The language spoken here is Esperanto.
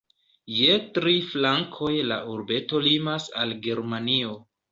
Je tri flankoj la urbeto limas al Germanio.